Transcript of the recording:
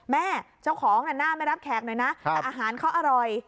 แม่เจ้าของน่ะหน้าไม่รับแขกหน่อยนะแต่อาหารเขาอร่อย